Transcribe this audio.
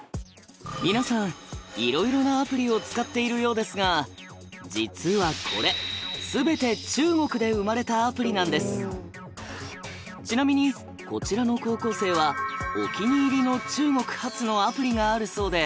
皆さんいろいろなアプリを使っているようですが実はこれ全てちなみにこちらの高校生はお気に入りの中国発のアプリがあるそうで。